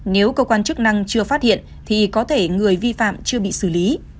nếu cơ quan chức năng chưa phát hiện thì có thể người vi phạm chưa bị xử lý